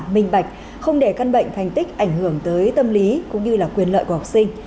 minh bạch không để căn bệnh thành tích ảnh hưởng tới tâm lý cũng như là quyền lợi của học sinh